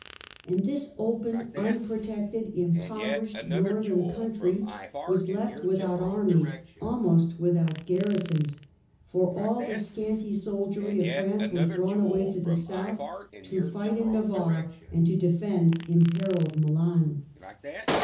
And this open, unprotected, impoverished northern country was left without armies, almost without garrisons ; for all the scanty soldiery of France was drawn away to the south, to fight in Navarre and to defend imperilled Milan.